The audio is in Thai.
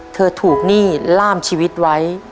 เธอถูกหนี้ล่ามชีวิตไว้